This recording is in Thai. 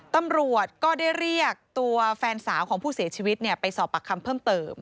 ตำรวจก็ได้เรียกตัวแฟนสาวของผู้เสียชีวิตไปสอบปากคำเพิ่มเติม